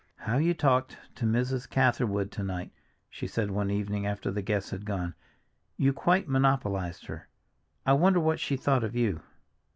"How you talked to Mrs. Catherwood to night," she said one evening after the guests had gone. "You quite monopolized her. I wonder what she thought of you!"